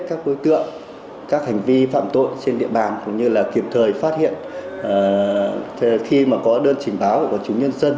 các bối tượng các hành vi phạm tội trên địa bàn cũng như là kịp thời phát hiện khi mà có đơn chỉnh báo của chúng nhân dân